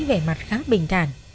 vẻ mặt khá bình thản